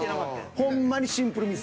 ほんまにシンプルミス。